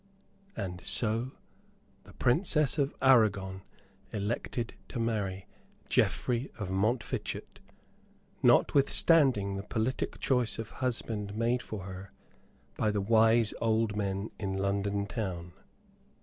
And so the Princess of Aragon elected to marry Geoffrey of Montfichet, notwithstanding the politic choice of husband made for her by the wise old men in London town.